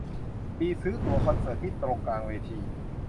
ลีซื้อตั๋วคอนเสิร์ตที่ตรงกลางเวที